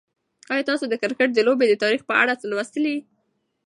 آیا تاسو د کرکټ د لوبې د تاریخ په اړه څه لوستي؟